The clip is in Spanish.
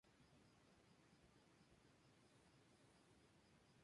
Su carne es amarillo tostado con el tamaño de hueso de una avellana.